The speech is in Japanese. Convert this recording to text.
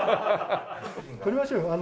撮りましょうよ。